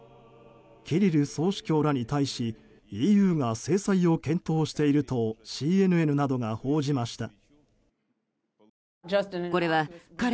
キリル総主教らに対しＥＵが制裁を検討しているとＣＮＮなどが報じました。